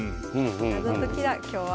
謎解きだ今日は。